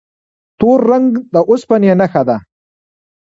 تور رنګ د اوسپنې نښه ده.